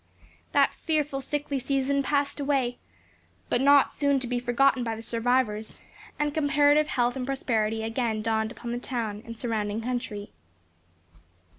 That fearful sickly season passed away; but not soon to be forgotten by the survivors, and comparative health and prosperity again dawned upon the town and surrounding country.